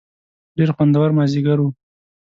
ډېر خوندور مازیګر و.